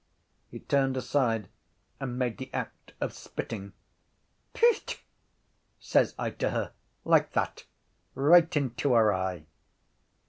He turned aside and made the act of spitting. —_Phth!_ says I to her like that, right into her eye.